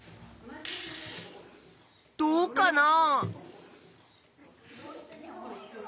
どうかなあ？